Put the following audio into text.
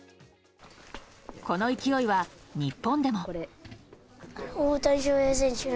この勢いは日本でも。